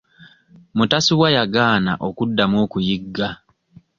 Mutasubwa yagaana okuddamu okuyigga.